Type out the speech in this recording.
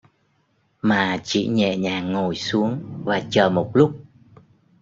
Mà chỉ nhẹ nhàng ngồi xuống và chờ một lúc